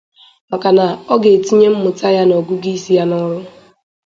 maka na ọ ga-etinye mmụta ya na ọgụgụisi ya n'ọrụ